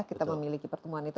kita memiliki pertumbuhan itu